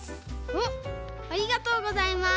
わあありがとうございます。